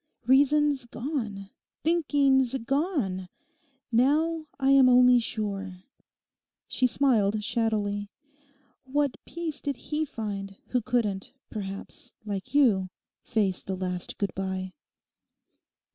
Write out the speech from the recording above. Reason's gone. Thinking's gone. Now I am only sure.' She smiled shadowily. 'What peace did he find who couldn't, perhaps, like you, face the last good bye?